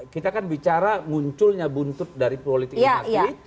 kita kan bicara munculnya buntut dari politik itu